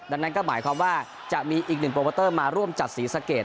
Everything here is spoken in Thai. ดังนั้นก็หมายความว่าจะมีอีกหนึ่งโปรโมเตอร์มาร่วมจัดศรีสะเกด